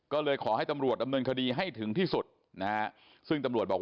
ก็เลยขอให้ตำรวจดำเนินคดีให้ถึงที่สุดนะฮะซึ่งตำรวจบอก